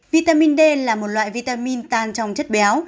vitamin d là một loại vitamin tan trong chất béo